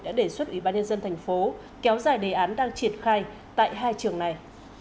đã đề xuất ủy ban nhân dân thành phố kéo dài đề án đang triển khai tại hai trường này